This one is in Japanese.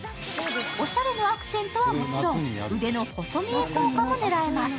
おしゃれのアクセントは、もちろん腕の細見え効果も狙えます。